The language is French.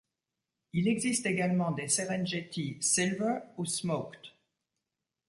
Il existe également des Serengeti silver ou smoked.